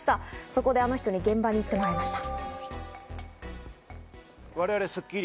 そこで、あの人に現場に行ってもらいました。